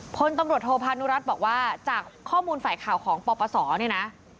พลตำรวจโทพานุรัติบอกว่าจากข้อมูลฝ่ายข่าวของปปศเนี่ยนะ